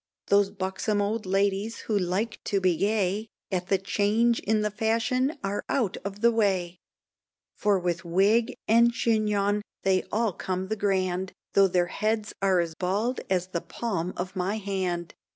Those buxon old ladies who like to be gay, At the change in the fashions are out of the way, For with wig and chignon they all come the grand, Tho' their heads are as bald as the palm of my hand.